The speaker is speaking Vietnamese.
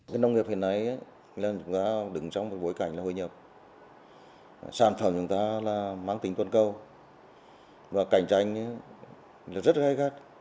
sản xuất của chúng ta là máng tỉnh tuần câu và cạnh tranh rất gây gắt